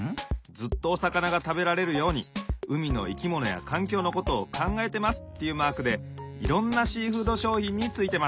・ずっとおさかながたべられるように海のいきものやかんきょうのことをかんがえてますっていうマークでいろんなシーフードしょうひんについてます。